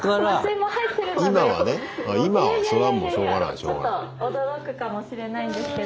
ちょっと驚くかもしれないんですけど。